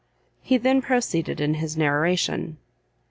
He then proceeded in his narration.